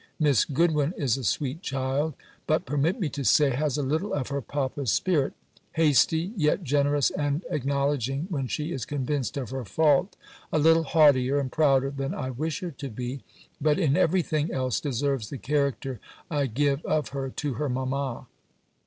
Miss Goodwin is a sweet child; but, permit me to say, has a little of her papa's spirit; hasty, yet generous and acknowledging when she is convinced of her fault; a little haughtier and prouder than I wish her to be; but in every thing else deserves the character I give of her to her mamma.